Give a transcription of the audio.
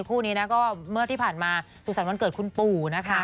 คู่นี้นะก็เมื่อที่ผ่านมาสุสรรควันเกิดคุณปู่นะคะ